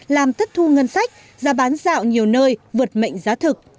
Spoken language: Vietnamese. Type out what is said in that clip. làm thất thu ngân sách ra bán rạo nhiều nơi vượt mệnh giá thực